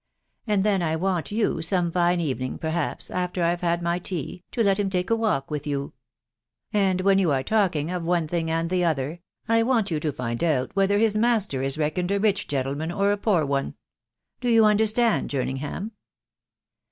And then I want you, some fine evening, per haps, after I have had my tea, to let him take a walk with you ; and when you are talking of one thing and the other, I want you to find out whether his master is reckoned a rich gentle man or a poor one Do you understand, Jerningham